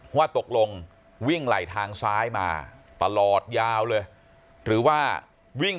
ว่าตกลงวิ่งไหลทางซ้ายมาตลอดยาวเลยหรือว่าวิ่ง